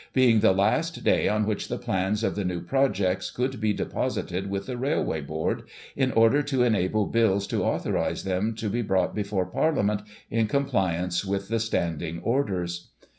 being the last day on which the plans of the new projects could be deposited with the Railway Board, in order to enable Bills to authorise them to be brought before Par liament, in compliance with the Standing Orders.